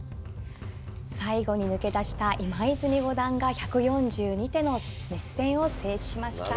最後に抜け出した今泉五段が１４２手の熱戦を制しました。